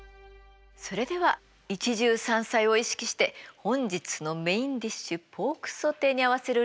それでは一汁三菜を意識して本日のメインディッシュポークソテーに合わせる料理